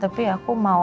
tapi aku mau ada aja